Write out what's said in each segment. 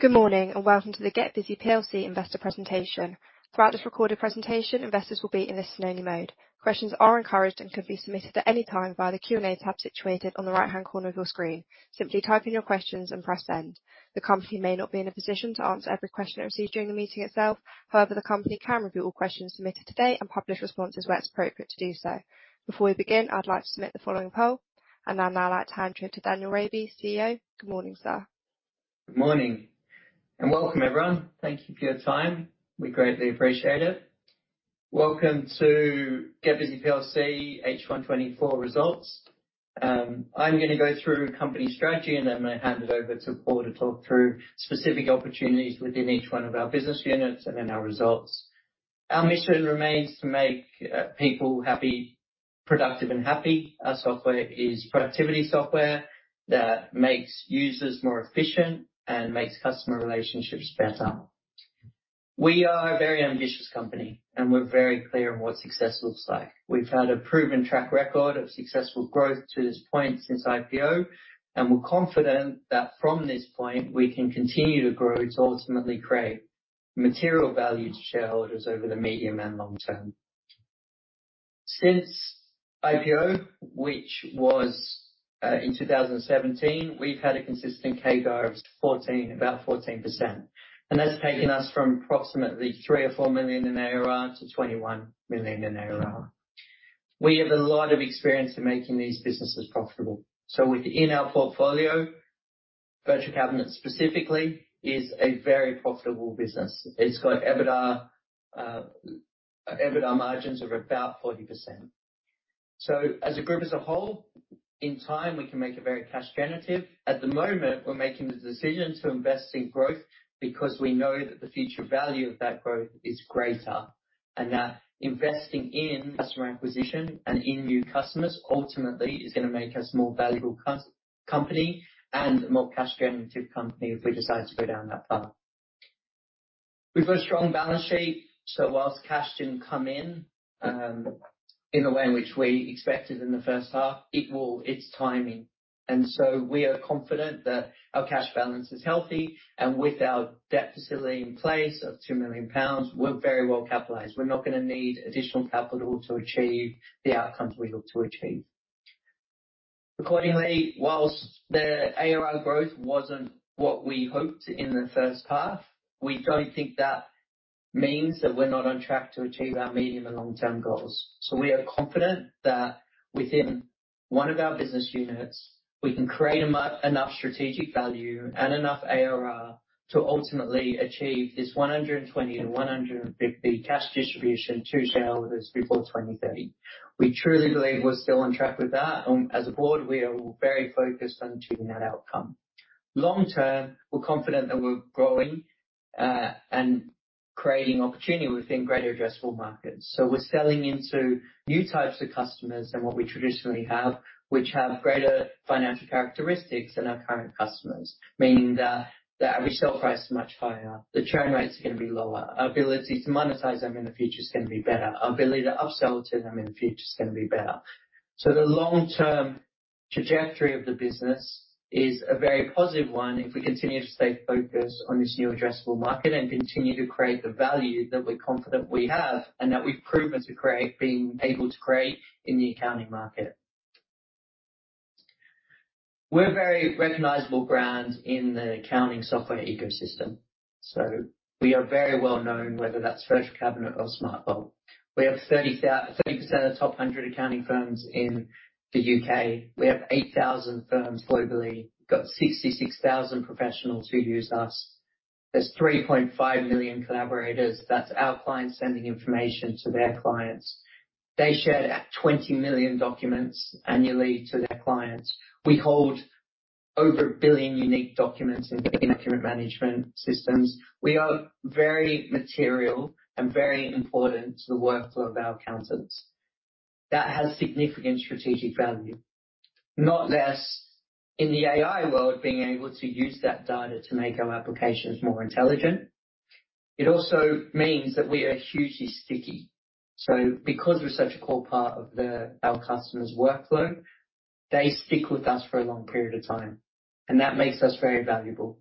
Good morning, and welcome to the GetBusy PLC investor presentation. Throughout this recorded presentation, investors will be in listen-only mode. Questions are encouraged and can be submitted at any time via the Q&A tab situated on the right-hand corner of your screen. Simply type in your questions and press send. The company may not be in a position to answer every question it receives during the meeting itself. However, the company can review all questions submitted today and publish responses where it's appropriate to do so. Before we begin, I'd like to submit the following poll, and I'd now like to hand you to Daniel Rabie, CEO. Good morning, sir. Good morning, and welcome, everyone. Thank you for your time. We greatly appreciate it. Welcome to GetBusy PLC H1 2024 results. I'm gonna go through company strategy, and then I'm gonna hand it over to Paul to talk through specific opportunities within each one of our business units and then our results. Our mission remains to make people happy, productive and happy. Our software is productivity software that makes users more efficient and makes customer relationships better. We are a very ambitious company, and we're very clear on what success looks like. We've had a proven track record of successful growth to this point since IPO, and we're confident that from this point we can continue to grow to ultimately create material value to shareholders over the medium and long term. Since IPO, which was in 2017, we've had a consistent CAGR of 14, about 14%, and that's taken us from approximately 3 million-4 million in ARR to 21 million in ARR. We have a lot of experience in making these businesses profitable, so within our portfolio, Virtual Cabinet specifically, is a very profitable business. It's got EBITDA margins of about 40%. So as a group as a whole, in time, we can make it very cash generative. At the moment, we're making the decision to invest in growth because we know that the future value of that growth is greater, and that investing in customer acquisition and in new customers ultimately is gonna make us a more valuable company and a more cash generative company if we decide to go down that path. We've got a strong balance sheet, so while cash didn't come in in the way in which we expected in the first half, it will. It's timing, and so we are confident that our cash balance is healthy, and with our debt facility in place of 2 million pounds, we're very well capitalized. We're not gonna need additional capital to achieve the outcomes we look to achieve. Accordingly, while the ARR growth wasn't what we hoped in the first half, we don't think that means that we're not on track to achieve our medium- and long-term goals, so we are confident that within one of our business units, we can create enough strategic value and enough ARR to ultimately achieve this 120-150 cash distribution to shareholders before 2030. We truly believe we're still on track with that, and as a board, we are all very focused on achieving that outcome. Long term, we're confident that we're growing, and creating opportunity within greater addressable markets. So we're selling into new types of customers than what we traditionally have, which have greater financial characteristics than our current customers. Meaning that the average sale price is much higher, the churn rates are gonna be lower, our ability to monetize them in the future is gonna be better, our ability to upsell to them in the future is gonna be better. So the long-term trajectory of the business is a very positive one if we continue to stay focused on this new addressable market and continue to create the value that we're confident we have and that we've proven to create, being able to create in the accounting market. We're a very recognizable brand in the accounting software ecosystem. So we are very well known, whether that's Virtual Cabinet or SmartVault. We have 30% of the top 100 accounting firms in the U.K. We have 8,000 firms globally, got 66,000 professionals who use us. There's 3.5 million collaborators. That's our clients sending information to their clients. They share 20 million documents annually to their clients. We hold over 1 billion unique documents in our document management systems. We are very material and very important to the workflow of our accountants. That has significant strategic value. Not less in the AI world, being able to use that data to make our applications more intelligent. It also means that we are hugely sticky. So because we're such a core part of the, our customers' workflow, they stick with us for a long period of time, and that makes us very valuable.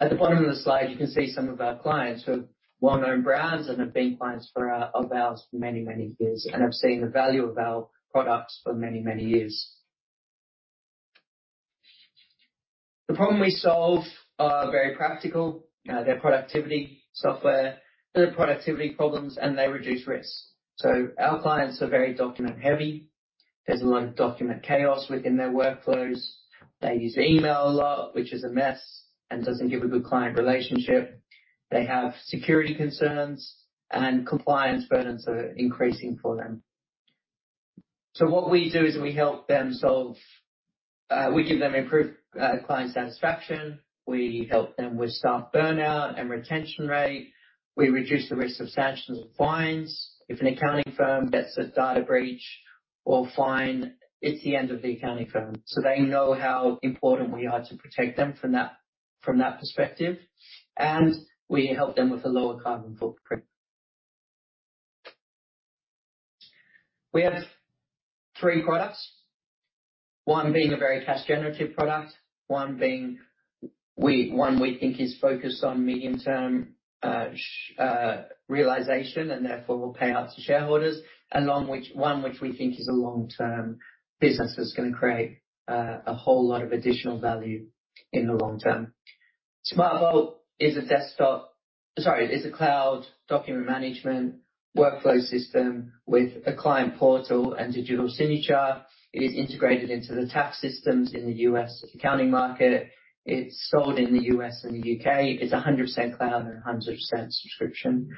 At the bottom of the slide, you can see some of our clients who are well-known brands and have been clients for, of ours for many, many years, and have seen the value of our products for many, many years. The problem we solve are very practical. They're productivity software, they're productivity problems, and they reduce risk. So our clients are very document-heavy. There's a lot of document chaos within their workflows. They use email a lot, which is a mess and doesn't give a good client relationship. They have security concerns, and compliance burdens are increasing for them. So what we do is we help them solve, we give them improved client satisfaction. We help them with staff burnout and retention rate. We reduce the risk of sanctions and fines. If an accounting firm gets a data breach or fine, it's the end of the accounting firm. So they know how important we are to protect them from that, from that perspective, and we help them with a lower carbon footprint. We have three products, one being a very cash generative product, one being one we think is focused on medium-term realization, and therefore will pay out to shareholders. And long-term one, which we think is a long-term business, that's gonna create a whole lot of additional value in the long term. SmartVault is a desktop. Sorry, it's a cloud document management workflow system with a client portal and digital signature. It is integrated into the tax systems in the U.S. accounting market. It's sold in the U.S. and the U.K. It's 100% cloud and 100% subscription.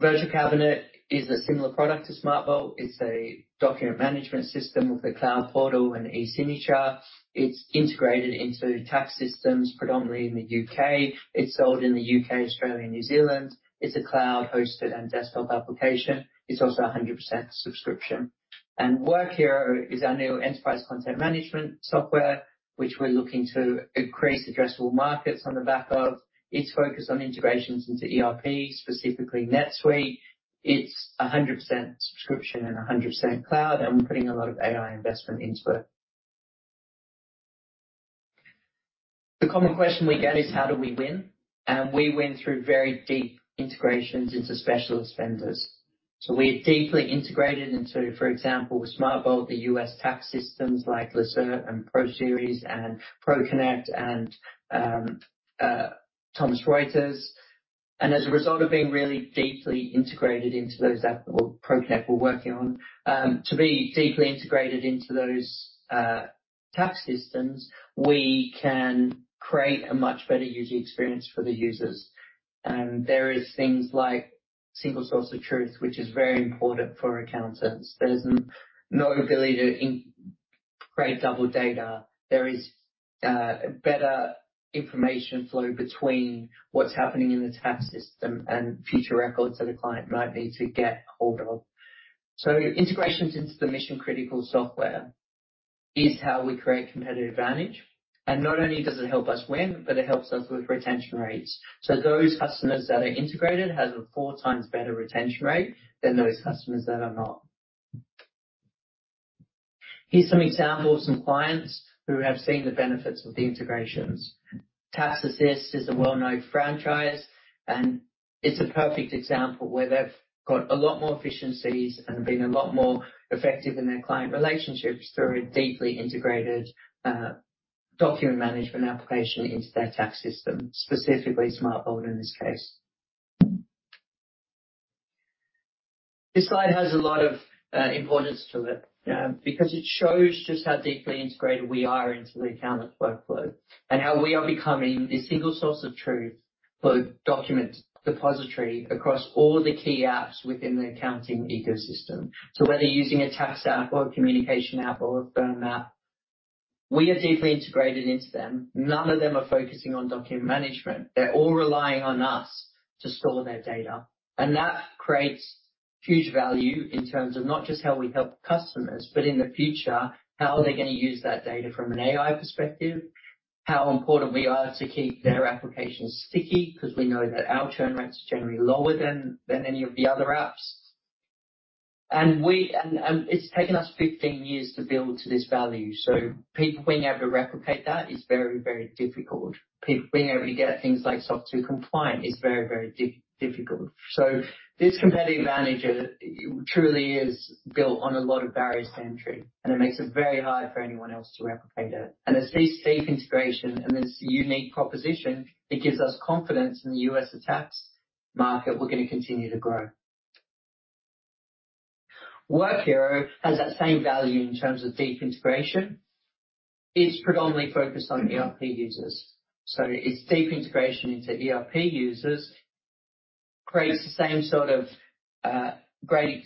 Virtual Cabinet is a similar product to SmartVault. It's a document management system with a cloud portal and e-signature. It's integrated into tax systems, predominantly in the U.K. It's sold in the U.K., Australia, and New Zealand. It's a cloud-hosted and desktop application. It's also 100% subscription. Workiro is our new enterprise content management software, which we're looking to increase addressable markets on the back of. It's focused on integrations into ERP, specifically NetSuite. It's 100% subscription and 100% cloud, and we're putting a lot of AI investment into it. The common question we get is: How do we win? We win through very deep integrations into specialist vendors. So we're deeply integrated into, for example, SmartVault, the U.S. tax systems like Lacerte and ProSeries, and ProConnect and Thomson Reuters. And as a result of being really deeply integrated into those apps or ProConnect to be deeply integrated into those tax systems, we can create a much better user experience for the users. And there are things like single source of truth, which is very important for accountants. There's no ability to create double data. There is a better information flow between what's happening in the tax system and future records that a client might need to get hold of. So integrations into the mission-critical software is how we create competitive advantage, and not only does it help us win, but it helps us with retention rates. So those customers that are integrated have a four times better retention rate than those customers that are not. Here's some examples of some clients who have seen the benefits of the integrations. TaxAssist is a well-known franchise, and it's a perfect example where they've got a lot more efficiencies and been a lot more effective in their client relationships through a deeply integrated document management application into their tax system, specifically SmartVault, in this case. This slide has a lot of importance to it because it shows just how deeply integrated we are into the accountant workflow, and how we are becoming the single source of truth for the document depository across all the key apps within the accounting ecosystem. So whether you're using a tax app or a communication app or a firm app, we are deeply integrated into them. None of them are focusing on document management. They're all relying on us to store their data, and that creates huge value in terms of not just how we help customers, but in the future, how are they gonna use that data from an AI perspective? How important we are to keep their applications sticky, 'cause we know that our churn rate is generally lower than any of the other apps? And it's taken us 15 years to build to this value, so people being able to replicate that is very, very difficult. People being able to get things like SOC 2 compliant is very, very difficult. So this competitive advantage truly is built on a lot of barriers to entry, and it makes it very hard for anyone else to replicate it. And it's this deep integration and this unique proposition that gives us confidence in the U.S. tax market. We're gonna continue to grow. Workiro has that same value in terms of deep integration. It's predominantly focused on ERP users, so its deep integration into ERP users creates the same sort of great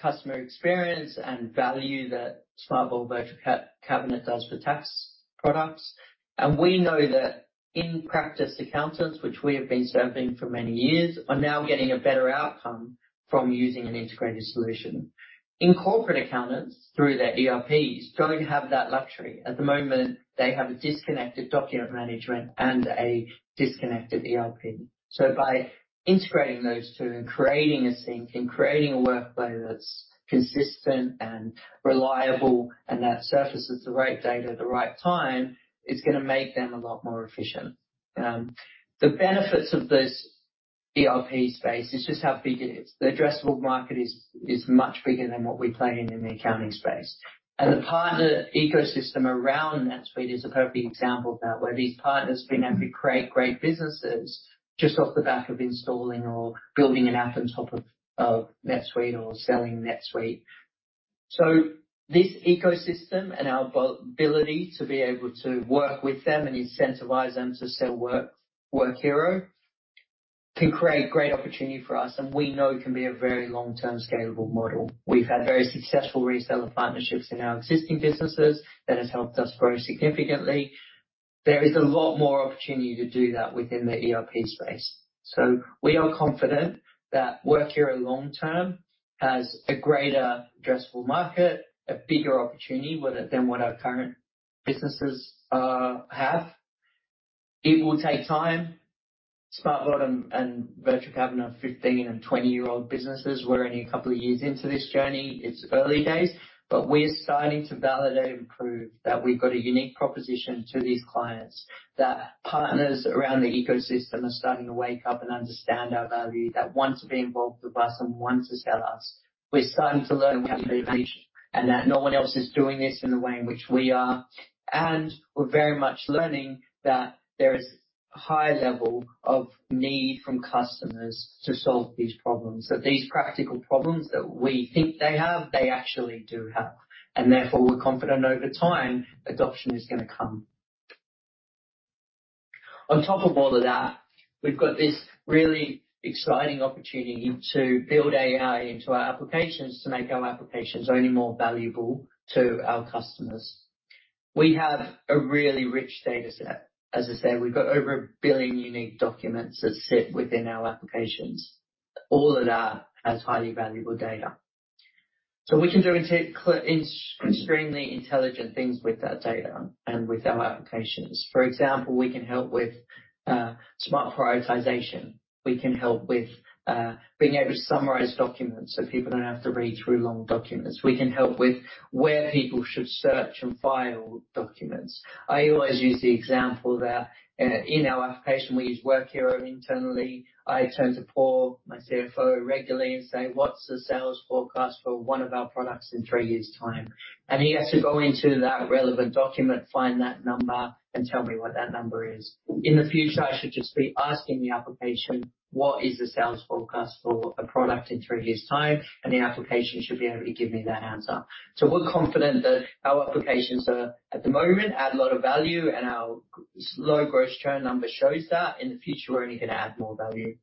customer experience and value that SmartVault, Virtual Cabinet does for tax products. And we know that in practice, accountants, which we have been serving for many years, are now getting a better outcome from using an integrated solution. In corporate accountants, through their ERPs, don't have that luxury. At the moment, they have a disconnected document management and a disconnected ERP. So by integrating those two and creating a sync and creating a workflow that's consistent and reliable, and that surfaces the right data at the right time, it's gonna make them a lot more efficient. The benefits of this ERP space is just how big it is. The addressable market is much bigger than what we play in, in the accounting space. And the partner ecosystem around NetSuite is a perfect example of that, where these partners have been able to create great businesses just off the back of installing or building an app on top of NetSuite or selling NetSuite. So this ecosystem and our ability to be able to work with them and incentivize them to sell Workiro, can create great opportunity for us, and we know it can be a very long-term scalable model. We've had very successful reseller partnerships in our existing businesses that has helped us grow significantly. There is a lot more opportunity to do that within the ERP space. So we are confident that Workiro, long term, has a greater addressable market, a bigger opportunity, greater than what our current businesses have. It will take time. SmartVault and Virtual Cabinet are 15- and 20-year-old businesses. We're only a couple of years into this journey. It's early days, but we're starting to validate and prove that we've got a unique proposition to these clients, that partners around the ecosystem are starting to wake up and understand our value, that want to be involved with us and want to sell us. We're starting to learn we have innovation, and that no one else is doing this in the way in which we are. And we're very much learning that there is a high level of need from customers to solve these problems, that these practical problems that we think they have, they actually do have, and therefore, we're confident over time, adoption is gonna come. On top of all of that, we've got this really exciting opportunity to build AI into our applications, to make our applications only more valuable to our customers. We have a really rich data set. As I said, we've got over a billion unique documents that sit within our applications. All of that has highly valuable data. So we can do extremely intelligent things with that data and with our applications. For example, we can help with smart prioritization. We can help with being able to summarize documents, so people don't have to read through long documents. We can help with where people should search and file documents. I always use the example that in our application, we use Workiro internally. I turn to Paul, my CFO, regularly and say, "What's the sales forecast for one of our products in three years' time?" And he has to go into that relevant document, find that number, and tell me what that number is. In the future, I should just be asking the application, "What is the sales forecast for a product in three years' time?" And the application should be able to give me that answer. So we're confident that our applications are, at the moment, add a lot of value, and our low gross churn number shows that. In the future, we're only going to add more value.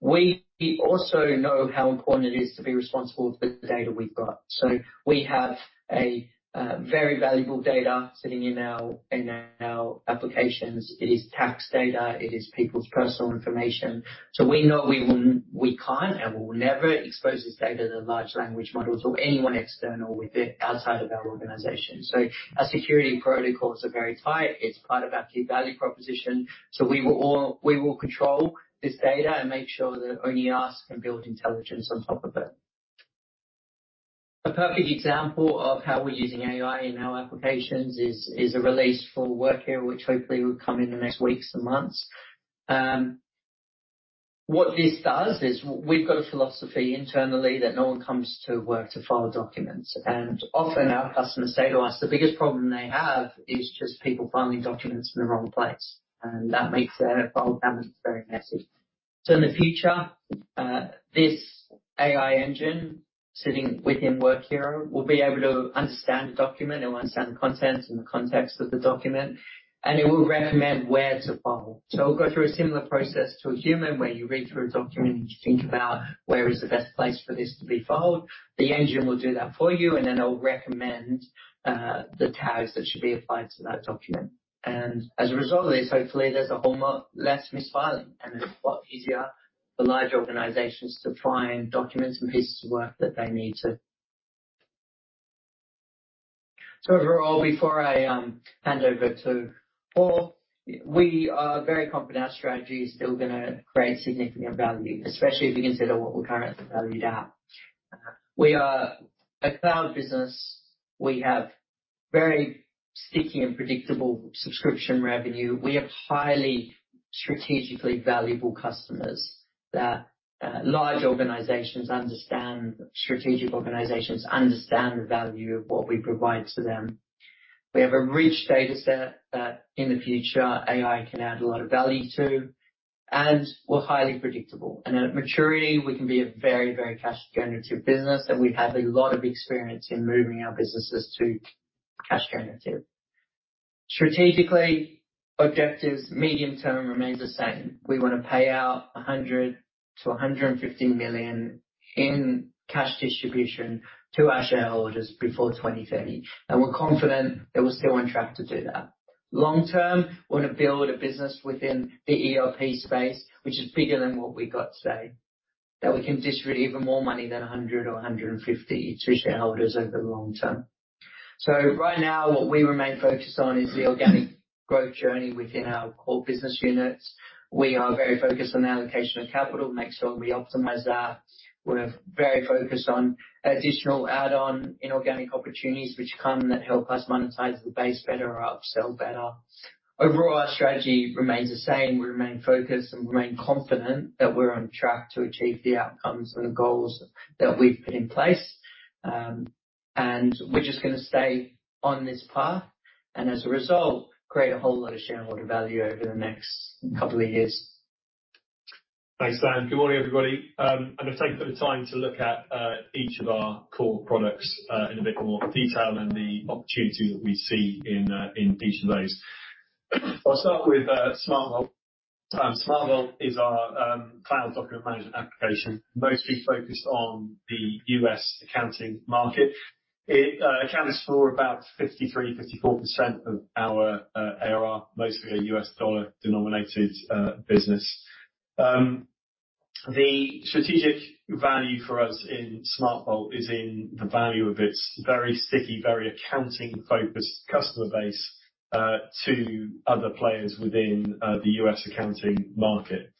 We also know how important it is to be responsible for the data we've got. We have a very valuable data sitting in our applications. It is tax data, it is people's personal information. We know we can't, and will never expose this data to large language models or anyone external with it, outside of our organization. Our security protocols are very tight. It's part of our key value proposition. We will control this data and make sure that only us can build intelligence on top of it. A perfect example of how we're using AI in our applications is a release for Workiro, which hopefully will come in the next weeks and months. What this does is, we've got a philosophy internally that no one comes to work to file documents, and often our customers say to us, the biggest problem they have is just people filing documents in the wrong place, and that makes their file cabinets very messy. So in the future, this AI engine, sitting within Workiro, will be able to understand the document and understand the content and the context of the document, and it will recommend where to file. So it'll go through a similar process to a human, where you read through a document and you think about where is the best place for this to be filed. The engine will do that for you, and then it'll recommend the tags that should be applied to that document. As a result of this, hopefully, there's a whole lot less misfiling, and it's a lot easier for large organizations to find documents and pieces of work that they need to. Overall, before I hand over to Paul, we are very confident our strategy is still gonna create significant value, especially if you consider what we're currently valued at. We are a cloud business. We have very sticky and predictable subscription revenue. We have highly strategically valuable customers that strategic organizations understand the value of what we provide to them. We have a rich data set that, in the future, AI can add a lot of value to, and we're highly predictable. At maturity, we can be a very, very cash generative business, and we've had a lot of experience in moving our businesses to cash generative. Strategically, objectives medium term remain the same. We want to pay out 100 million-150 million in cash distribution to our shareholders before 2030, and we're confident that we're still on track to do that. Long term, we want to build a business within the ERP space, which is bigger than what we got today, that we can distribute even more money than 100 million or 150 million to shareholders over the long term. So right now, what we remain focused on is the organic growth journey within our core business units. We are very focused on the allocation of capital, make sure we optimize that. We're very focused on additional add-on inorganic opportunities which come, that help us monetize the base better or upsell better. Overall, our strategy remains the same. We remain focused and remain confident that we're on track to achieve the outcomes and the goals that we've put in place, and we're just gonna stay on this path, and as a result, create a whole lot of shareholder value over the next couple of years. Thanks, Dan. Good morning, everybody. I'm going to take a bit of time to look at each of our core products in a bit more detail and the opportunity that we see in each of those. I'll start with SmartVault. SmartVault is our cloud document management application, mostly focused on the U.S. accounting market. It accounts for about 53%-54% of our ARR, mostly a U.S. dollar-denominated business. The strategic value for us in SmartVault is in the value of its very sticky, very accounting-focused customer base to other players within the U.S. accounting market.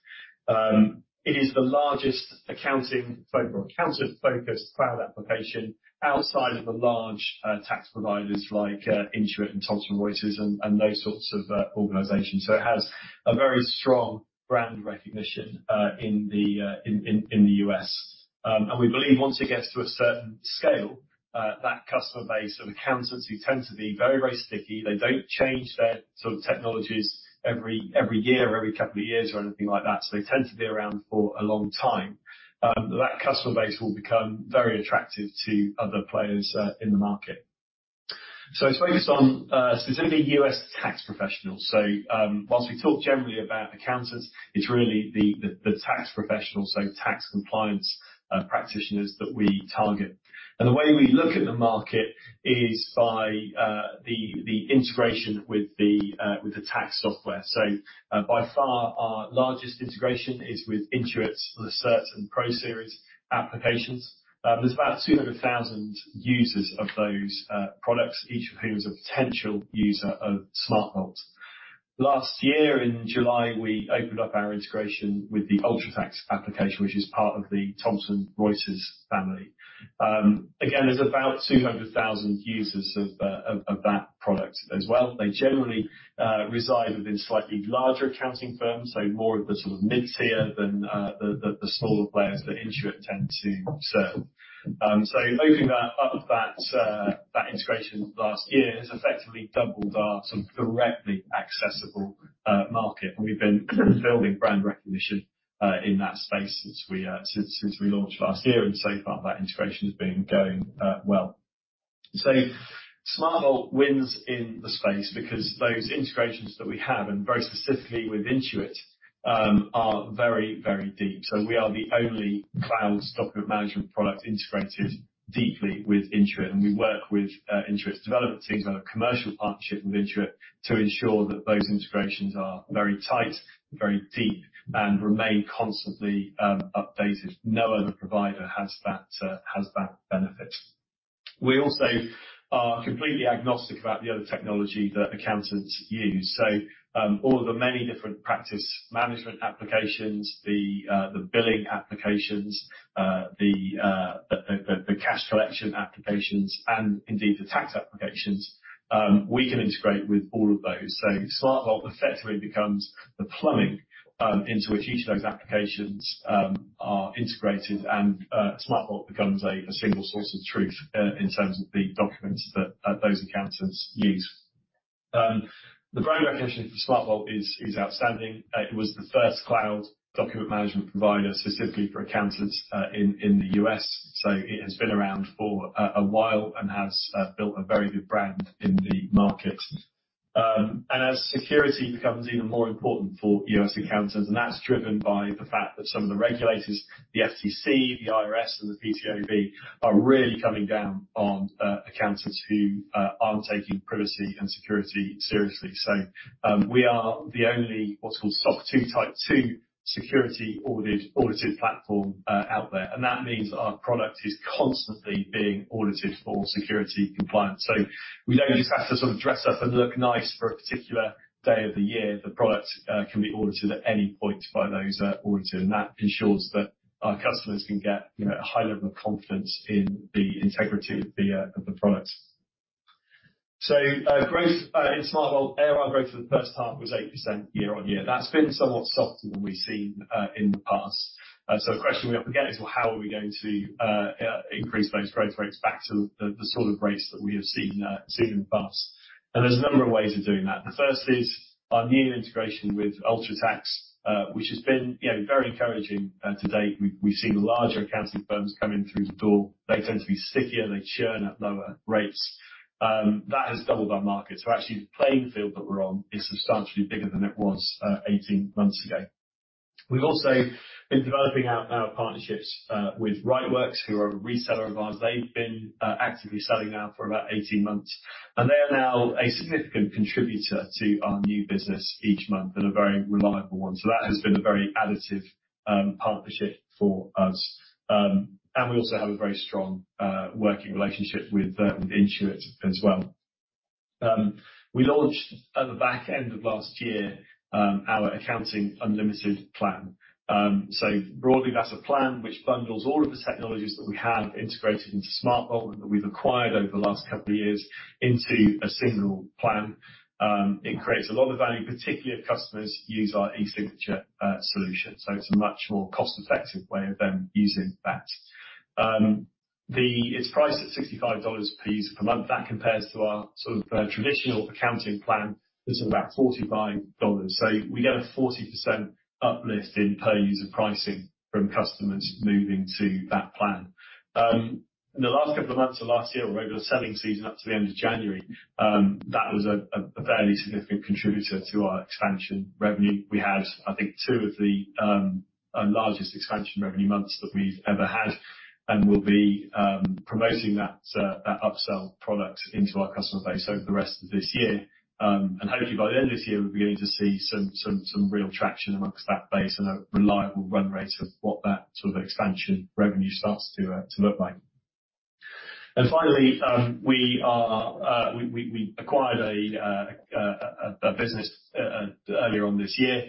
It is the largest accountant-focused cloud application outside of the large tax providers, like Intuit and Thomson Reuters, and those sorts of organizations. So it has a very strong brand recognition in the U.S. And we believe once it gets to a certain scale, that customer base of accountants, who tend to be very, very sticky, they don't change their sort of technologies every year, or every couple of years, or anything like that, so they tend to be around for a long time. That customer base will become very attractive to other players in the market. So it's focused on specifically U.S. tax professionals. Whilst we talk generally about accountants, it's really the tax professionals, so tax compliance practitioners, that we target. And the way we look at the market is by the integration with the tax software. So, by far, our largest integration is with Intuit's Lacerte and ProSeries applications. There's about 200,000 users of those products, each of whom is a potential user of SmartVault. Last year, in July, we opened up our integration with the UltraTax application, which is part of the Thomson Reuters family. Again, there's about 200,000 users of that product as well. They generally reside within slightly larger accounting firms, so more of the sort of mid-tier than the smaller players that Intuit tend to sell. So opening that up, that integration last year has effectively doubled our sort of directly accessible market. We've been building brand recognition in that space since we launched last year, and so far, that integration has been going well. So SmartVault wins in the space because those integrations that we have, and very specifically with Intuit, are very, very deep. So we are the only cloud document management product integrated deeply with Intuit, and we work with Intuit's development teams on a commercial partnership with Intuit to ensure that those integrations are very tight, very deep, and remain constantly updated. No other provider has that benefit. We also are completely agnostic about the other technology that accountants use. So all of the many different practice management applications, the billing applications, the cash collection applications, and indeed, the tax applications, we can integrate with all of those. SmartVault effectively becomes the plumbing into which each of those applications are integrated, and SmartVault becomes a single source of truth in terms of the documents that those accountants use. The brand recognition for SmartVault is outstanding. It was the first cloud document management provider specifically for accountants in the U.S., so it has been around for a while and has built a very good brand in the market. As security becomes even more important for U.S. accountants, and that's driven by the fact that some of the regulators, the FTC, the IRS, and the PCAOB, are really coming down on accountants who aren't taking privacy and security seriously. So, we are the only what's called SOC 2 Type II security audited platform out there, and that means that our product is constantly being audited for security compliance. So we don't just have to sort of dress up and look nice for a particular day of the year. The product can be audited at any point by those auditors, and that ensures that our customers can get, you know, a high level of confidence in the integrity of the product. So, growth in SmartVault, ARR growth for the first half was 8% year-on-year. That's been somewhat softer than we've seen in the past. So the question we often get is: Well, how are we going to increase those growth rates back to the sort of rates that we have seen in the past? And there's a number of ways of doing that. The first is our new integration with UltraTax, which has been, you know, very encouraging to date. We've seen larger accounting firms coming through the door. They tend to be stickier, and they churn at lower rates. That has doubled our market. So actually, the playing field that we're on is substantially bigger than it was 18 months ago. We've also been developing our partnerships with Rightworks, who are a reseller of ours. They've been actively selling now for about 18 months, and they are now a significant contributor to our new business each month, and a very reliable one. So that has been a very additive partnership for us. And we also have a very strong working relationship with Intuit as well. We launched at the back end of last year our Accounting Unlimited plan. So broadly, that's a plan which bundles all of the technologies that we have integrated into SmartVault, and that we've acquired over the last couple of years, into a single plan. It creates a lot of value, particularly if customers use our e-signature solution, so it's a much more cost-effective way of them using that. It's priced at $65 piece per month. That compares to our sort of traditional accounting plan, which is about $45, so we get a 40% uplift in per user pricing from customers moving to that plan. In the last couple of months of last year, regular selling season, up to the end of January, that was a fairly significant contributor to our expansion revenue. We had, I think, two of the largest expansion revenue months that we've ever had, and we'll be promoting that upsell product into our customer base over the rest of this year. And hopefully by the end of this year, we'll be able to see some real traction amongst that base and a reliable run rate of what that sort of expansion revenue starts to look like. And finally, we acquired a business earlier on this year,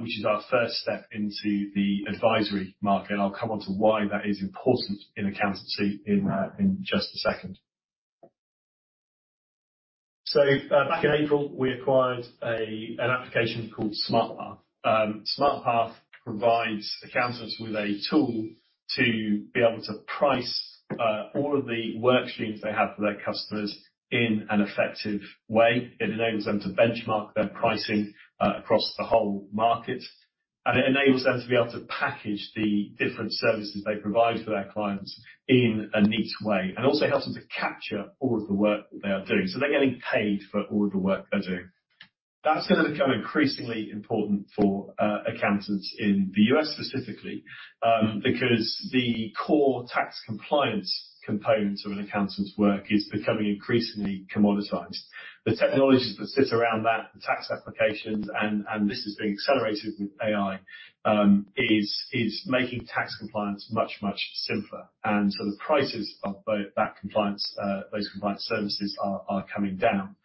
which is our first step into the advisory market, and I'll come on to why that is important in accountancy in just a second. So, back in April, we acquired an application called SmartPath. SmartPath provides accountants with a tool to be able to price all of the work streams they have for their customers in an effective way. It enables them to benchmark their pricing across the whole market, and it enables them to be able to package the different services they provide for their clients in a neat way, and also helps them to capture all of the work that they are doing, so they're getting paid for all of the work they're doing. That's gonna become increasingly important for accountants in the U.S., specifically, because the core tax compliance components of an accountant's work is becoming increasingly commoditized. The technologies that sit around that, the tax applications, and this is being accelerated with AI, is making tax compliance much, much simpler. So the prices of both that compliance, those compliance services are coming down.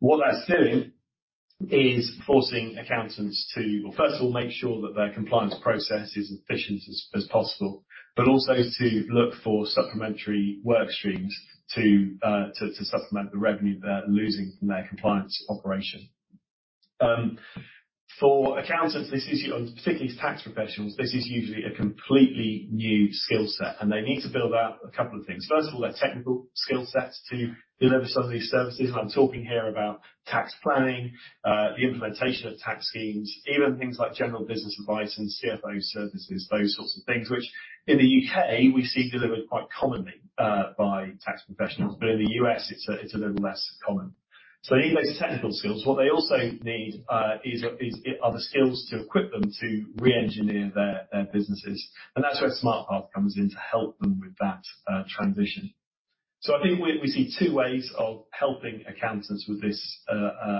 What that's doing is forcing accountants to, well, first of all, make sure that their compliance process is efficient as possible, but also to look for supplementary work streams to supplement the revenue they're losing from their compliance operation. For accountants, this is, particularly tax professionals, this is usually a completely new skill set, and they need to build out a couple of things. First of all, their technical skill sets to deliver some of these services, and I'm talking here about tax planning, the implementation of tax schemes, even things like general business advice and CFO services, those sorts of things, which in the U.K., we see delivered quite commonly by tax professionals, but in the U.S., it's a little less common, so they need those technical skills. What they also need are the skills to equip them to re-engineer their businesses, and that's where SmartPath comes in to help them with that transition, so I think we see two ways of helping accountants with this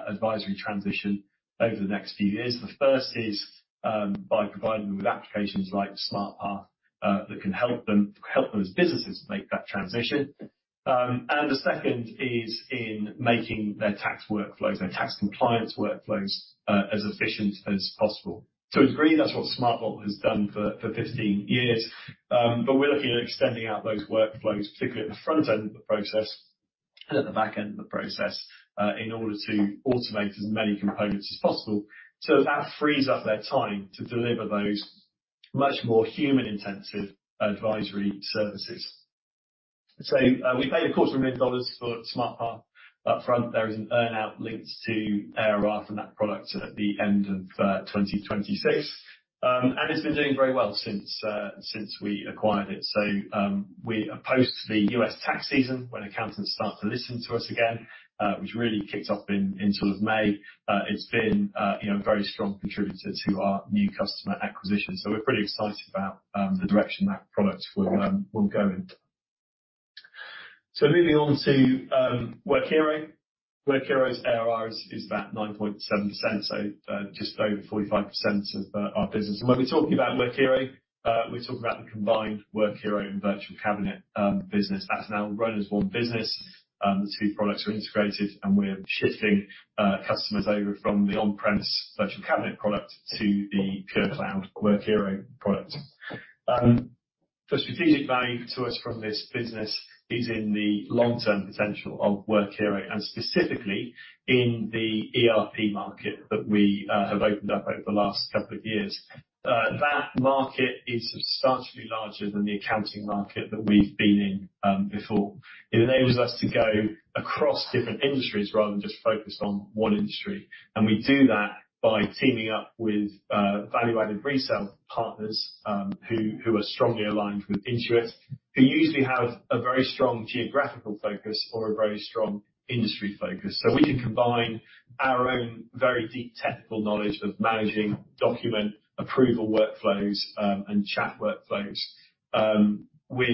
advisory transition over the next few years. The first is by providing them with applications like SmartPath that can help them as businesses make that transition. And the second is in making their tax workflows, their tax compliance workflows, as efficient as possible. To a degree, that's what SmartVault has done for 15 years. But we're looking at extending out those workflows, particularly at the front end of the process and at the back end of the process, in order to automate as many components as possible. So that frees up their time to deliver those much more human-intensive advisory services. So, we paid $250,000 for SmartPath up front. There is an earn-out linked to ARR from that product at the end of 2026. And it's been doing very well since we acquired it. So, post the U.S. tax season, when accountants start to listen to us again, which really kicked off in sort of May, it's been, you know, a very strong contributor to our new customer acquisition. So we're pretty excited about the direction that product will go in. So moving on to Workiro. Workiro's ARR is about 9.7%, so just over 45% of our business. And when we're talking about Workiro, we're talking about the combined Workiro and Virtual Cabinet business. That's now run as one business. The two products are integrated, and we're shifting customers over from the on-premise Virtual Cabinet product to the pure cloud Workiro product. The strategic value to us from this business is in the long-term potential of Workiro, and specifically in the ERP market that we have opened up over the last couple of years. That market is substantially larger than the accounting market that we've been in before. It enables us to go across different industries rather than just focused on one industry, and we do that by teaming up with value-added resale partners who are strongly aligned with Intuit, who usually have a very strong geographical focus or a very strong industry focus. So,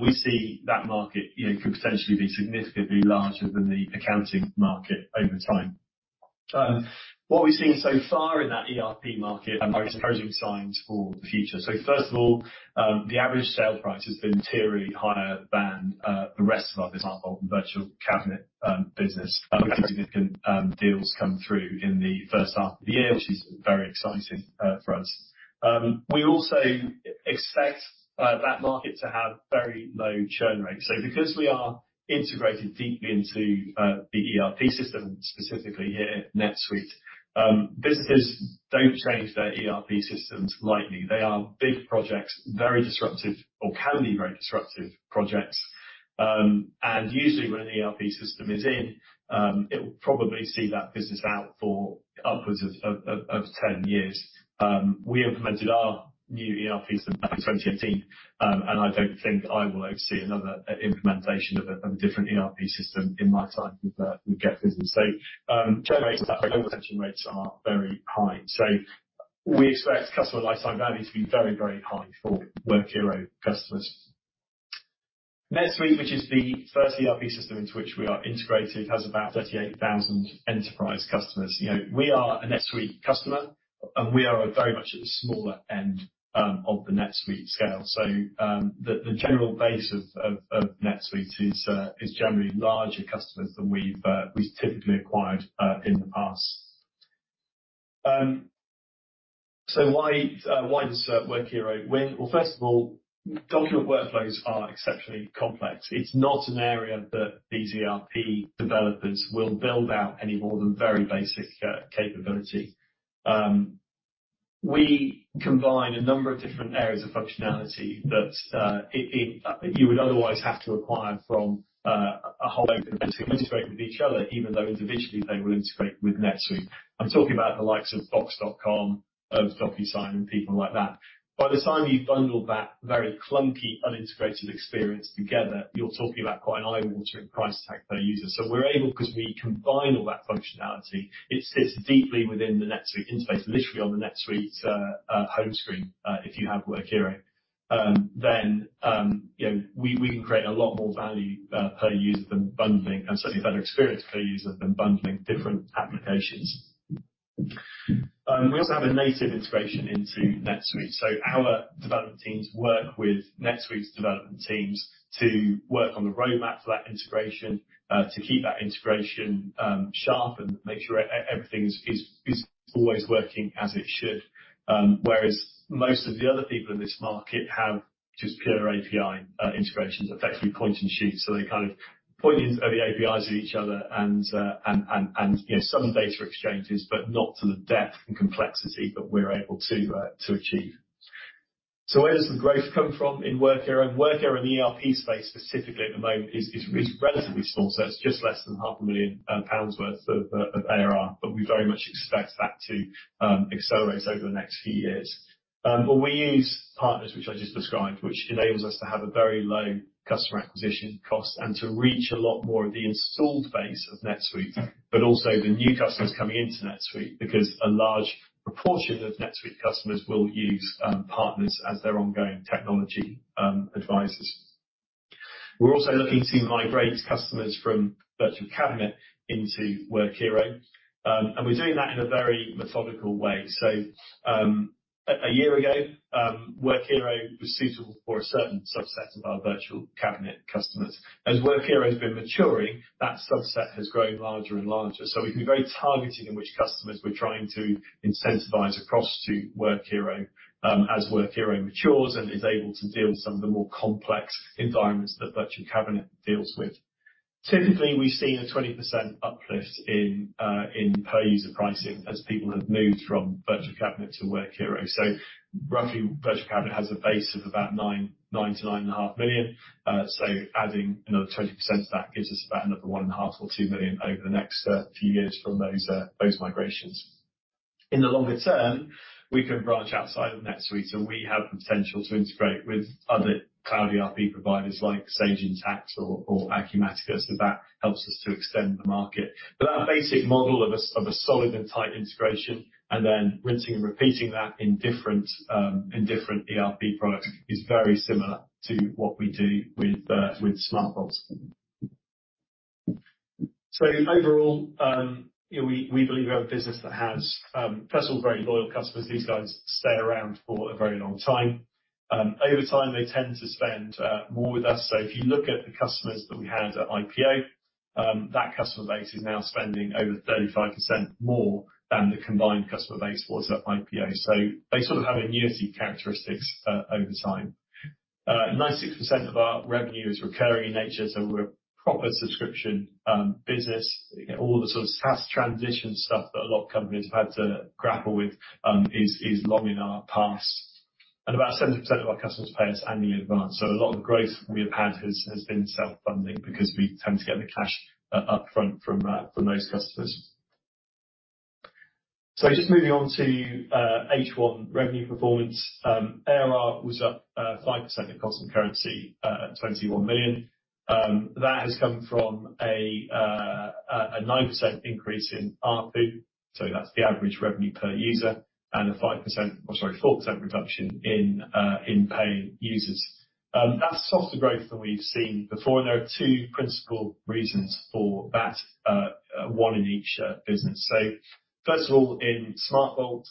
we see that market, you know, could potentially be significantly larger than the accounting market over time. What we've seen so far in that ERP market are encouraging signs for the future. So first of all, the average sale price has been materially higher than the rest of our business, Virtual Cabinet business. Significant deals come through in the first half of the year, which is very exciting for us. We also expect that market to have very low churn rates. So because we are integrated deeply into the ERP system, specifically here, NetSuite, businesses don't change their ERP systems lightly. They are big projects, very disruptive, or can be very disruptive projects and usually when an ERP system is in, it will probably see that business out for upwards of 10 years. We implemented our new ERP system back in 2018, and I don't think I will ever see another implementation of a different ERP system in my time with GetBusy. Retention rates are very high. So we expect customer lifetime value to be very, very high for Workiro customers. NetSuite, which is the first ERP system into which we are integrated, has about 38,000 enterprise customers. You know, we are a NetSuite customer, and we are very much at the smaller end of the NetSuite scale. The general base of NetSuite is generally larger customers than we've typically acquired in the past. So why does Workiro win? Well, first of all, document workflows are exceptionally complex. It's not an area that these ERP developers will build out any more than very basic capability. We combine a number of different areas of functionality that you would otherwise have to acquire from a whole other integrated with each other, even though individually they will integrate with NetSuite. I'm talking about the likes of Box.com, of DocuSign, and people like that. By the time you bundle that very clunky, unintegrated experience together, you're talking about quite an eye-watering price tag per user. So we're able, 'cause we combine all that functionality, it sits deeply within the NetSuite interface, literally on the NetSuite home screen, if you have Workiro. Then, you know, we can create a lot more value per user than bundling, and certainly a better experience per user than bundling different applications. We also have a native integration into NetSuite, so our development teams work with NetSuite's development teams to work on the roadmap for that integration to keep that integration sharp and make sure everything is always working as it should. Whereas most of the other people in this market have just pure API integrations, effectively point and shoot, so they kind of point the APIs at each other and you know, some data exchanges, but not to the depth and complexity that we're able to to achieve. So where does the growth come from in Workiro? Workiro in the ERP space, specifically at the moment, is relatively small, so it's just less than 500,000 pounds worth of ARR, but we very much expect that to accelerate over the next few years. We use partners, which I just described, which enables us to have a very low customer acquisition cost and to reach a lot more of the installed base of NetSuite, but also the new customers coming into NetSuite, because a large proportion of NetSuite customers will use partners as their ongoing technology advisors. We're also looking to migrate customers from Virtual Cabinet into Workiro, and we're doing that in a very methodical way. A year ago, Workiro was suitable for a certain subset of our Virtual Cabinet customers. As Workiro's been maturing, that subset has grown larger and larger, so we can be very targeted in which customers we're trying to incentivize across to Workiro, as Workiro matures and is able to deal with some of the more complex environments that Virtual Cabinet deals with. Typically, we've seen a 20% uplift in per user pricing as people have moved from Virtual Cabinet to Workiro. So roughly, Virtual Cabinet has a base of about 9 million-9.5 million. So adding another 20% to that gives us about another 1.5 million or 2 million over the next few years from those migrations. In the longer term, we can branch outside of NetSuite, and we have the potential to integrate with other cloud ERP providers like Sage Intacct or Acumatica, so that helps us to extend the market, but our basic model of a solid and tight integration, and then rinsing and repeating that in different ERP products, is very similar to what we do with SmartVault, so overall, you know, we believe we have a business that has first of all, very loyal customers. These guys stay around for a very long time. Over time, they tend to spend more with us. So if you look at the customers that we had at IPO, that customer base is now spending over 35% more than the combined customer base was at IPO. So they sort of have annuity characteristics over time. 96% of our revenue is recurring in nature, so we're a proper subscription business. All the sort of SaaS transition stuff that a lot of companies have had to grapple with is long in our past, and about 70% of our customers pay us annually in advance. So a lot of the growth we have had has been self-funding because we tend to get the cash upfront from those customers. Just moving on to H1 revenue performance, ARR was up 5% cost and currency at 21 million. That has come from a 9% increase in ARPU, so that's the average revenue per user, and a 5%, or sorry, 4% reduction in paying users. That's softer growth than we've seen before, and there are two principal reasons for that, one in each business. So first of all, in SmartVault,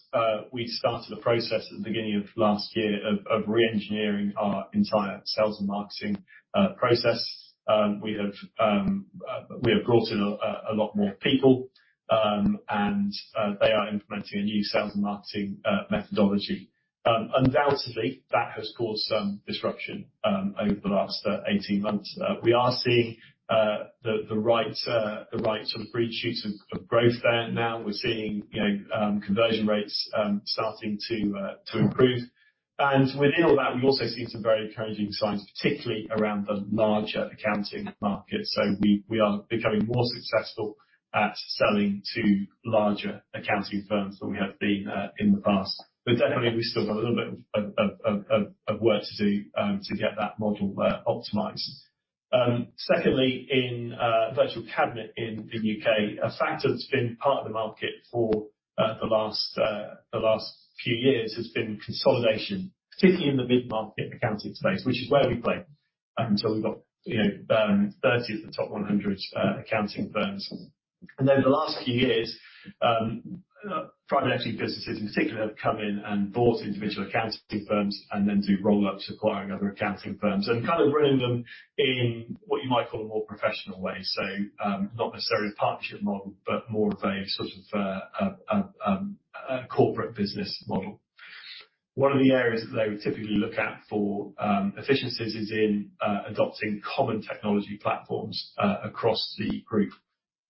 we started a process at the beginning of last year of re-engineering our entire sales and marketing process. We have brought in a lot more people, and they are implementing a new sales and marketing methodology. Undoubtedly, that has caused some disruption over the last 18 months. We are seeing the right sort of green shoots of growth there. Now we're seeing, you know, conversion rates starting to improve. And within all that, we also see some very encouraging signs, particularly around the larger accounting market. So we are becoming more successful at selling to larger accounting firms than we have been in the past. But definitely we've still got a little bit of of work to do to get that model optimized. Secondly, in Virtual Cabinet in U.K., a factor that's been part of the market for the last few years has been consolidation, particularly in the mid-market accounting space, which is where we play. And so we've got you know 30 of the top 100 accounting firms. And over the last few years, private equity businesses in particular have come in and bought individual accounting firms and then do roll-ups, acquiring other accounting firms and kind of running them in what you might call a more professional way. So, not necessarily a partnership model, but more of a sort of a corporate business model. One of the areas that they would typically look at for efficiencies is in adopting common technology platforms across the group,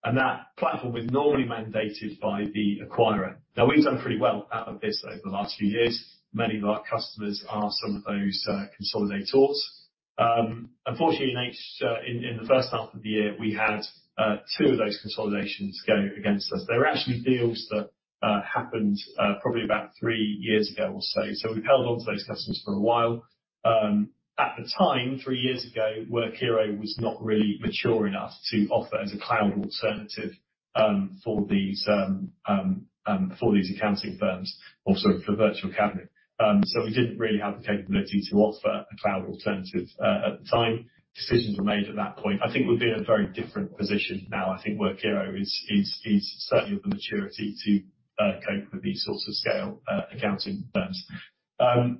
and that platform is normally mandated by the acquirer. Now, we've done pretty well out of this over the last few years. Many of our customers are some of those consolidators. Unfortunately, in H1, in the first half of the year, we had two of those consolidations go against us. They were actually deals that happened probably about three years ago or so. So we've held onto those customers for a while. At the time, three years ago, Workiro was not really mature enough to offer as a cloud alternative for these accounting firms or sorry, for Virtual Cabinet, so we didn't really have the capability to offer a cloud alternative at the time. Decisions were made at that point. I think we'd be in a very different position now. I think Workiro is certainly of the maturity to cope with these sorts of scale accounting firms.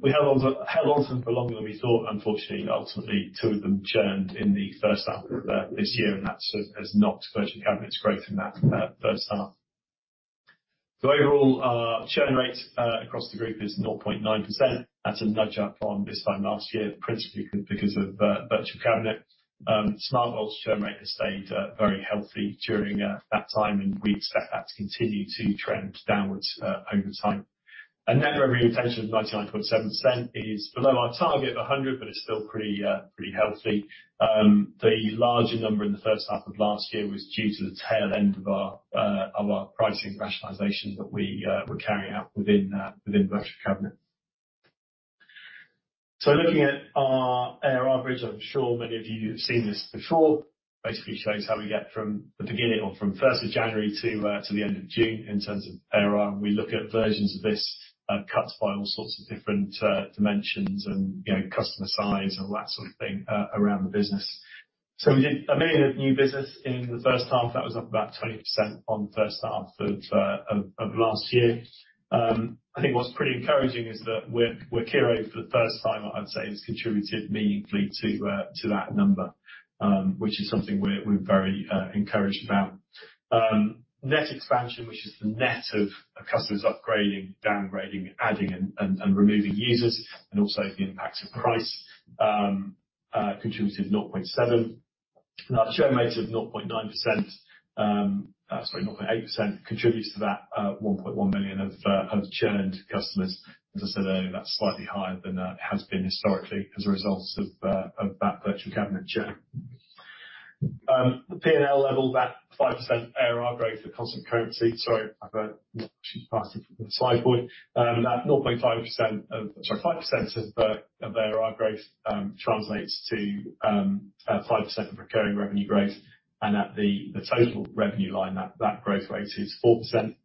We held on to them for longer than we thought. Unfortunately, ultimately, two of them churned in the first half of this year, and that sort of has knocked Virtual Cabinet's growth in that first half, so overall, churn rate across the group is 0.9%. That's a nudge up on this time last year, principally because of Virtual Cabinet. SMART Goals churn rate has stayed very healthy during that time, and we expect that to continue to trend downwards over time. And net revenue retention of 99.7% is below our target of 100%, but it's still pretty healthy. The larger number in the first half of last year was due to the tail end of our pricing rationalization that we were carrying out within Virtual Cabinet. So looking at our ARR bridge, I'm sure many of you have seen this before. Basically shows how we get from the beginning or from first of January to the end of June in terms of ARR. We look at versions of this, cut by all sorts of different dimensions and, you know, customer size and all that sort of thing, around the business. So we did 1 million of new business in the first half. That was up about 20% on the first half of last year. I think what's pretty encouraging is that Workiro, for the first time, I'd say, has contributed meaningfully to that number, which is something we're very encouraged about. Net expansion, which is the net of customers upgrading, downgrading, adding, and removing users, and also the impacts of price, contributed 0.7%. And our churn rate of 0.9%, sorry, 0.8% contributes to that, 1.1 million of churned customers. As I said earlier, that's slightly higher than it has been historically as a result of that Virtual Cabinet churn. The P&L level, that 5% ARR growth at constant currency. Sorry, I've actually passed the slide point. At 5% of the ARR growth translates to 5% of recurring revenue growth. And at the total revenue line, that growth rate is 4%.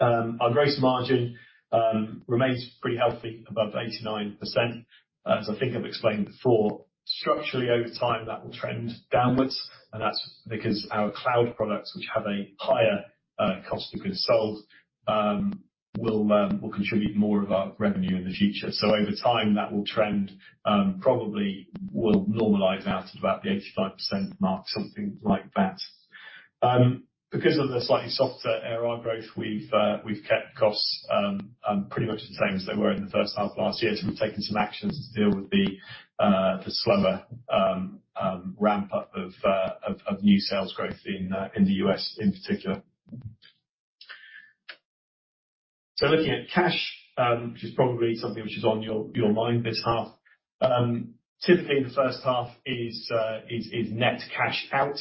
Our gross margin remains pretty healthy, above 89%. As I think I've explained before, structurally, over time, that will trend downwards, and that's because our cloud products, which have a higher cost of goods sold, will contribute more of our revenue in the future. So over time, that will trend, probably will normalize out at about the 85% mark, something like that. Because of the slightly softer ARR growth, we've kept costs pretty much the same as they were in the first half of last year. So we've taken some actions to deal with the slower ramp up of new sales growth in the U.S. in particular. So looking at cash, which is probably something which is on your mind this half, typically the first half is net cash out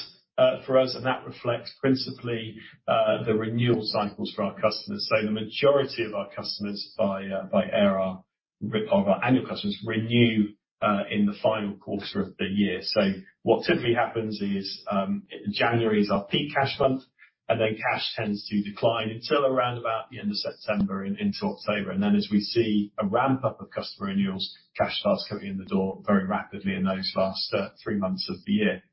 for us, and that reflects principally the renewal cycles for our customers. So the majority of our customers by ARR, of our annual customers, renew in the final quarter of the year. What typically happens is, January is our peak cash month, and then cash tends to decline until around about the end of September and into October. And then as we see a ramp up of customer renewals, cash starts coming in the door very rapidly in those last three months of the year.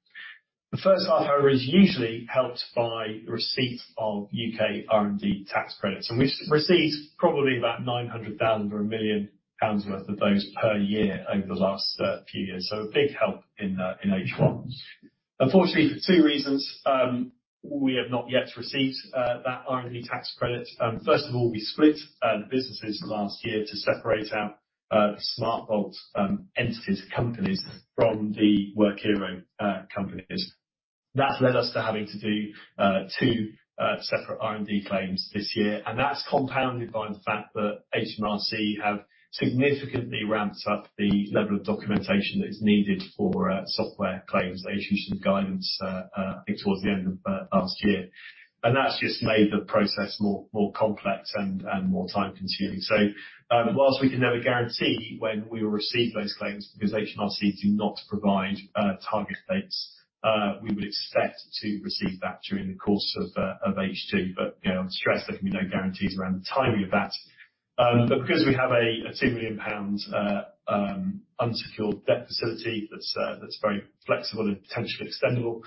The first half, however, is usually helped by receipt of U.K. R&D tax credits, and we've received probably about 900,000 or 1 million pounds worth of those per year over the last few years. So a big help in H1. Unfortunately, for two reasons, we have not yet received that R&D tax credit. First of all, we split the businesses last year to separate out SmartVault's entities, companies from the Workiro companies. That's led us to having to do two separate R&D claims this year, and that's compounded by the fact that HMRC have significantly ramped up the level of documentation that is needed for software claims. They issued some guidance I think towards the end of last year, and that's just made the process more complex and more time-consuming. So while we can never guarantee when we will receive those claims, because HMRC do not provide target dates, we would expect to receive that during the course of H2. But you know, I would stress there can be no guarantees around the timing of that. But because we have a 2 million pounds unsecured debt facility that's very flexible and potentially extendable,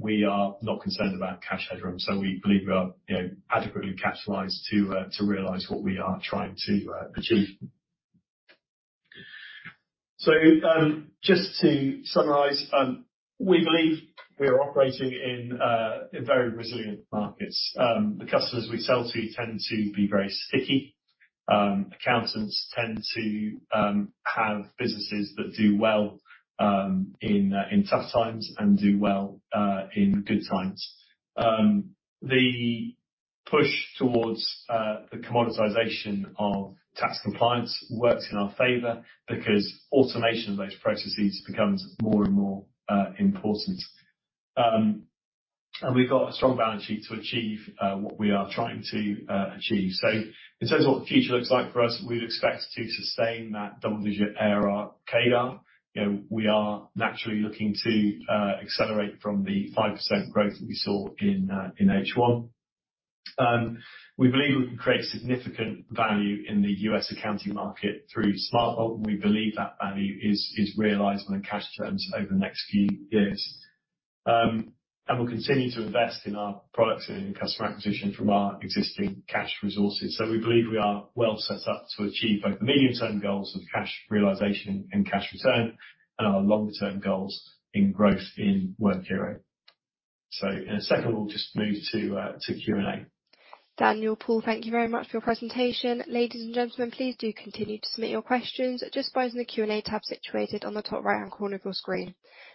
we are not concerned about cash headroom. So we believe we are, you know, adequately capitalized to realize what we are trying to achieve. Just to summarize, we believe we are operating in very resilient markets. The customers we sell to tend to be very sticky. Accountants tend to have businesses that do well in tough times and do well in good times. The push towards the commoditization of tax compliance works in our favor because automation of those processes becomes more and more important. And we've got a strong balance sheet to achieve what we are trying to achieve. In terms of what the future looks like for us, we'd expect to sustain that double-digit ARR CAGR. You know, we are naturally looking to accelerate from the 5% growth that we saw in H1. We believe we can create significant value in the U.S. accounting market through SmartVault, and we believe that value is realized on a cash terms over the next few years, and we'll continue to invest in our products and in customer acquisition from our existing cash resources. So we believe we are well set up to achieve both the medium-term goals of cash realization and cash return, and our longer term goals in growth in Workiro, so in a second, we'll just move to Q&A. Daniel, Paul, thank you very much for your presentation. Ladies and gentlemen, please do continue to submit your questions just by using the Q&A tab situated on the top right-hand corner of your screen.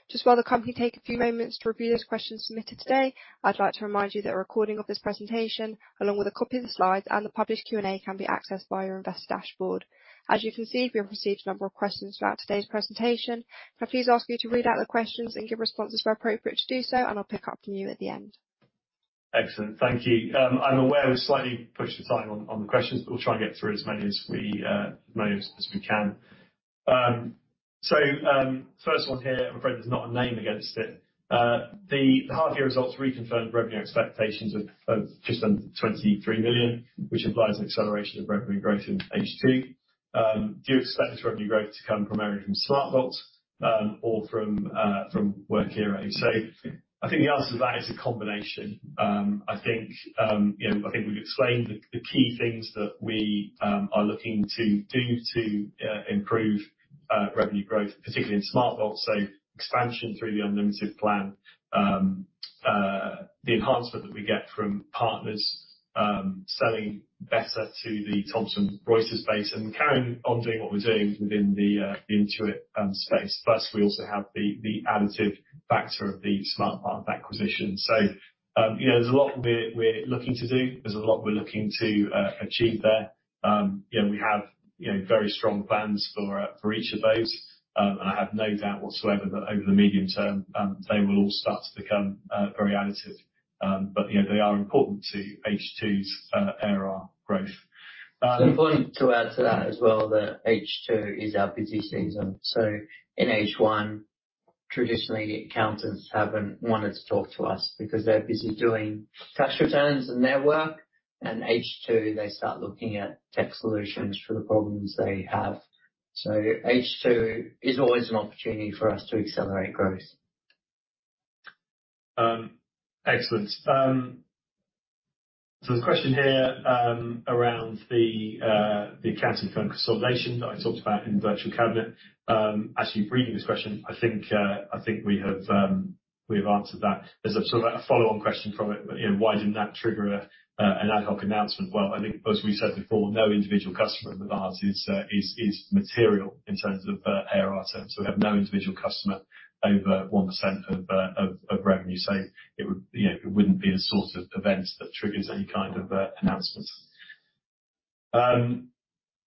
Just while the company take a few moments to review those questions submitted today, I'd like to remind you that a recording of this presentation, along with a copy of the slides and the published Q&A, can be accessed via your investor dashboard. As you can see, we have received a number of questions throughout today's presentation. Can I please ask you to read out the questions and give responses where appropriate to do so, and I'll pick up from you at the end? Excellent. Thank you. I'm aware we've slightly pushed the time on the questions, but we'll try and get through as many as we can. So, first one here, I'm afraid there's not a name against it. The half year results reconfirmed revenue expectations of just under 23 million, which implies an acceleration of revenue growth in H2. Do you expect this revenue growth to come primarily from SmartVault, or from Workiro? So I think the answer to that is a combination. I think, you know, I think we've explained the key things that we are looking to do to improve revenue growth, particularly in SmartVault, so expansion through the unlimited plan, the enhancement that we get from partners, selling better to the Thomson Reuters base, and carrying on doing what we're doing within the Intuit space. Plus, we also have the additive factor of the SmartPath acquisition. So, you know, there's a lot we're looking to do. There's a lot we're looking to achieve there. You know, we have very strong plans for each of those, and I have no doubt whatsoever that over the medium term, they will all start to become very additive, but you know, they are important to H2's ARR growth. It's important to add to that as well, that H2 is our busy season. So in H1, traditionally, accountants haven't wanted to talk to us because they're busy doing tax returns and their work, and H2, they start looking at tech solutions for the problems they have. So H2 is always an opportunity for us to accelerate growth. Excellent. So the question here around the accounting firm consolidation that I talked about in the Virtual Cabinet, actually reading this question, I think we have answered that. There's a sort of a follow-on question from it, but you know, why didn't that trigger an ad hoc announcement? Well, I think as we said before, no individual customer of ours is material in terms of ARR terms. So we have no individual customer over 1% of revenue. So it would, you know, it wouldn't be the sort of event that triggers any kind of announcement.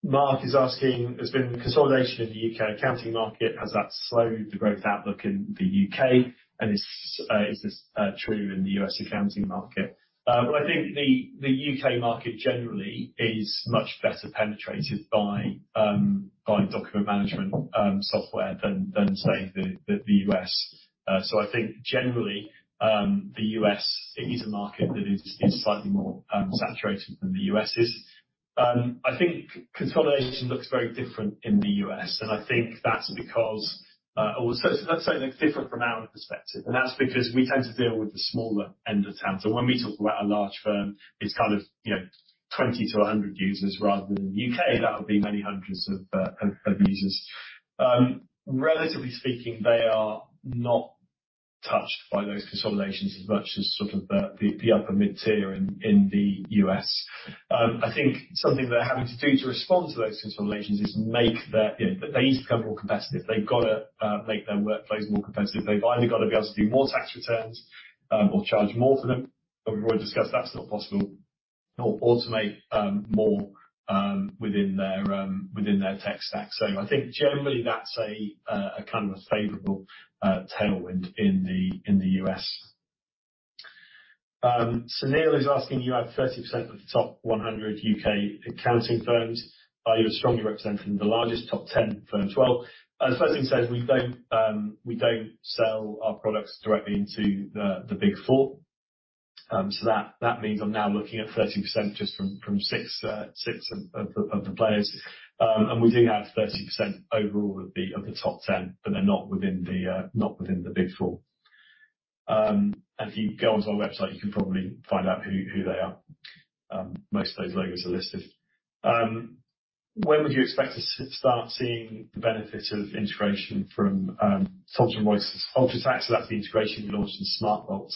Mark is asking: There's been consolidation in the U.K. accounting market. Has that slowed the growth outlook in the U.K., and is this true in the U.S. accounting market? Well, I think the U.K. market generally is much better penetrated by document management software than, say, the U.S. So I think generally, the U.S., it is a market that is slightly more saturated than the U.S. is. I think consolidation looks very different in the U.S., and I think that's because, well, so let's say different from our perspective, and that's because we tend to deal with the smaller end of town. So when we talk about a large firm, it's kind of, you know, 20-100 users, rather than the U.K., that would be many hundreds of users. Relatively speaking, they are not touched by those consolidations as much as sort of the upper mid-tier in the U.S. I think something they're having to do to respond to those consolidations is make their, you know, they need to become more competitive. They've got to make their workplace more competitive. They've either got to be able to do more tax returns, or charge more for them, but we've already discussed that's not possible, or automate more within their tech stack. So I think generally, that's a kind of a favorable tailwind in the U.S. So Neil is asking: You have 30% of the top 100 U.K. accounting firms. Are you strongly represented in the largest top 10 firms? Well, as the first thing says, we don't sell our products directly into the Big Four. So that means I'm now looking at 30% just from six of the players. And we do have 30% overall of the top 10, but they're not within the Big Four. And if you go onto our website, you can probably find out who they are. Most of those logos are listed. When would you expect to start seeing the benefits of integration from Thomson Reuters UltraTax? So that's the integration we launched in SmartVault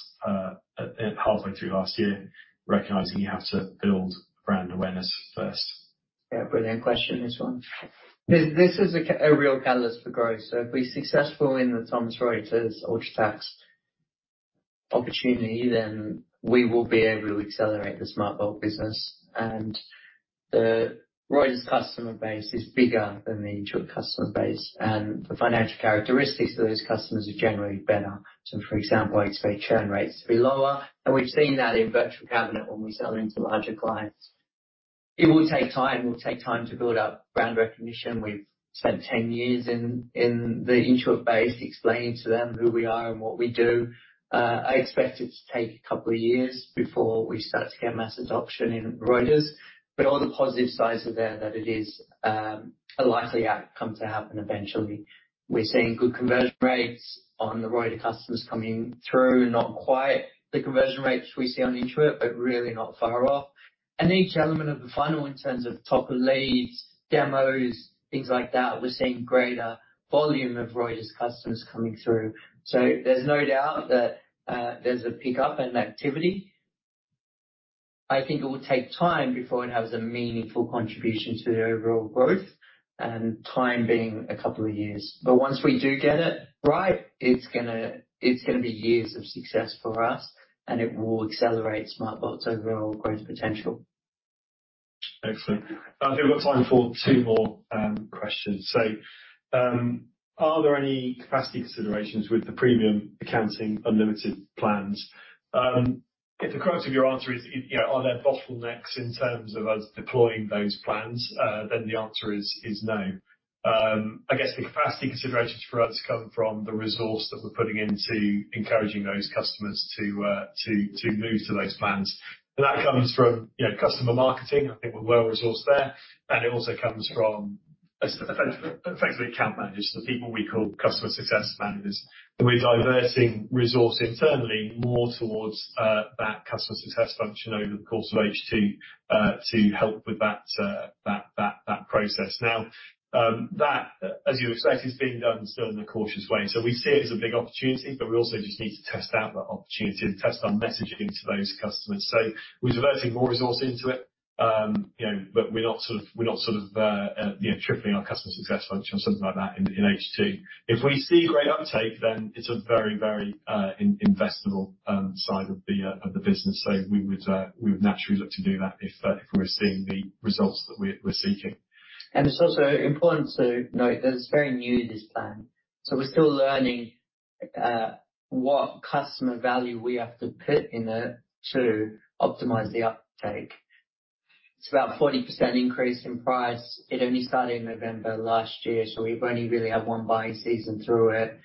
halfway through last year, recognizing you have to build brand awareness first. Yeah, brilliant question, this one. This is a real catalyst for growth, so if we're successful in the Thomson Reuters UltraTax opportunity, then we will be able to accelerate the SmartVault business, and the Reuters customer base is bigger than the Intuit customer base, and the financial characteristics of those customers are generally better, so for example, I expect churn rates to be lower, and we've seen that in Virtual Cabinet when we sell into larger clients. It will take time. It will take time to build up brand recognition. We've spent 10 years in the Intuit base explaining to them who we are and what we do. I expect it to take a couple of years before we start to get mass adoption in Reuters, but all the positive signs are there, that it is a likely outcome to happen eventually. We're seeing good conversion rates on the Reuters customers coming through, not quite the conversion rates we see on Intuit, but really not far off. And each element of the funnel, in terms of top of leads, demos, things like that, we're seeing greater volume of Reuters customers coming through. So there's no doubt that there's a pickup in activity. I think it will take time before it has a meaningful contribution to the overall growth, and time being a couple of years. But once we do get it right, it's gonna, it's gonna be years of success for us, and it will accelerate SmartVault's overall growth potential. Excellent. I think we've got time for two more questions. Are there any capacity considerations with the premium Accounting Unlimited plans? If the crux of your answer is, you know, are there bottlenecks in terms of us deploying those plans, then the answer is no. I guess the capacity considerations for us come from the resource that we're putting into encouraging those customers to move to those plans. And that comes from, you know, customer marketing. I think we're well-resourced there, and it also comes from effectively account managers, the people we call customer success managers. And we're diverting resource internally more towards that customer success function over the course of H2 to help with that process. Now, that, as you would expect, is being done still in a cautious way. So we see it as a big opportunity, but we also just need to test out that opportunity to test our messaging to those customers. So we're diverting more resource into it, you know, but we're not sort of, you know, tripling our customer success function or something like that in H2. If we see great uptake, then it's a very investable side of the business. So we would naturally look to do that if we're seeing the results that we're seeking. And it's also important to note that it's very new, this plan, so we're still learning what customer value we have to put in it to optimize the uptake. It's about 40% increase in price. It only started in November last year, so we've only really had one buying season through it.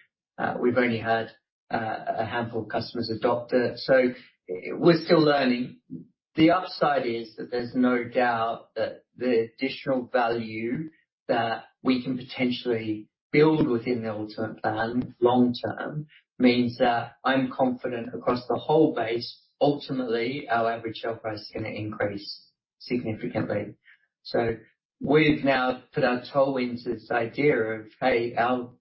We've only had a handful of customers adopt it, so we're still learning. The upside is that there's no doubt that the additional value that we can potentially build within the unlimited plan long term means that I'm confident across the whole base, ultimately, our average sell price is gonna increase significantly. So we've now put our toe into this idea of, hey, our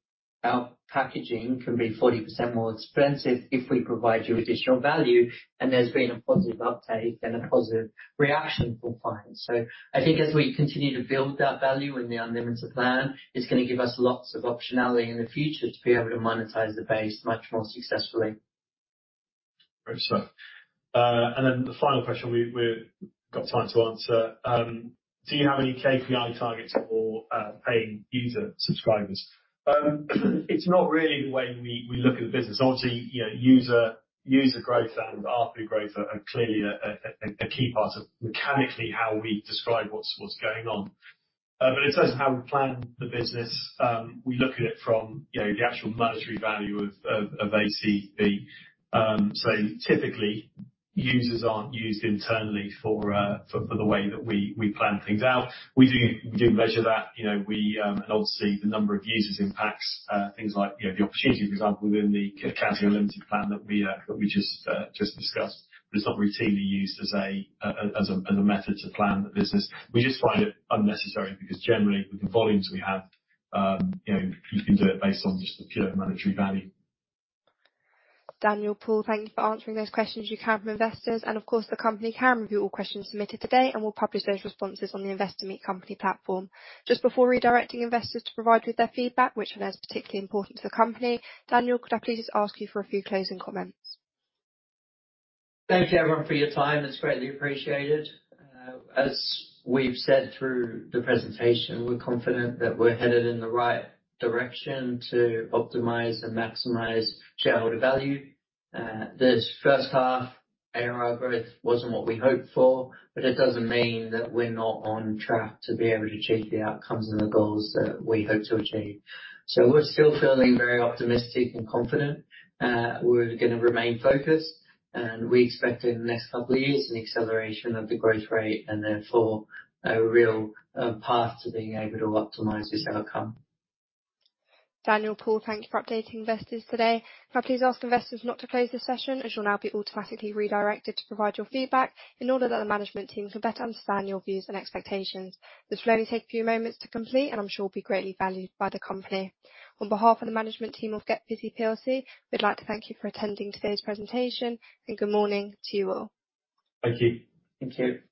packaging can be 40% more expensive if we provide you additional value, and there's been a positive uptake and a positive reaction from clients. I think as we continue to build that value in the unlimited plan, it's gonna give us lots of optionality in the future to be able to monetize the base much more successfully. Great stuff. And then the final question we've got time to answer: Do you have any KPI targets for paying user subscribers? It's not really the way we look at the business. Obviously, you know, user growth and RPU growth are clearly a key part of mechanically how we describe what's going on. But in terms of how we plan the business, we look at it from, you know, the actual monetary value of ACV. So typically, users aren't used internally for the way that we plan things out. We do measure that, you know, and obviously, the number of users impacts things like, you know, the opportunity, for example, within the Accounting Unlimited plan that we just discussed. But it's not routinely used as a method to plan the business. We just find it unnecessary, because generally, with the volumes we have, you know, you can do it based on just the pure monetary value. Daniel, Paul, thank you for answering those questions you have from investors, and of course, the company can review all questions submitted today, and we'll publish those responses on the Investor Meet Company platform. Just before redirecting investors to provide with their feedback, which is particularly important to the company, Daniel, could I please ask you for a few closing comments? Thank you, everyone, for your time. It's greatly appreciated. As we've said through the presentation, we're confident that we're headed in the right direction to optimize and maximize shareholder value. This first half, ARR growth wasn't what we hoped for, but it doesn't mean that we're not on track to be able to achieve the outcomes and the goals that we hope to achieve. So we're still feeling very optimistic and confident. We're gonna remain focused, and we expect in the next couple of years, an acceleration of the growth rate, and therefore, a real path to being able to optimize this outcome. Daniel, Paul, thank you for updating investors today. Can I please ask investors not to close this session, as you'll now be automatically redirected to provide your feedback, in order that the management team can better understand your views and expectations. This will only take a few moments to complete, and I'm sure will be greatly valued by the company. On behalf of the management team of GetBusy PLC, we'd like to thank you for attending today's presentation, and good morning to you all. Thank you. Thank you.